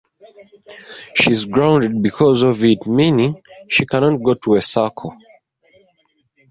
She is grounded because of it, meaning she cannot go to a circle.